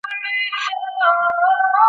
دغې ښځې په پوره ایماندارۍ دنده ترسره کړې وه.